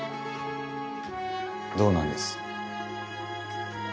どうなんです？